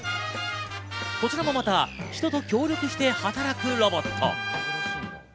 こちらもまた人と協力して働くロボット。